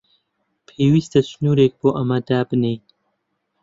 پێویستە سنوورێک بۆ ئەمە دابنێین.